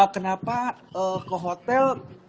kenapa ke hotel